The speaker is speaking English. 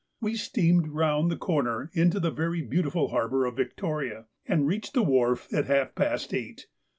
We steamed round the corner into the very beautiful harbour of Victoria, and reached the wharf at half past eight.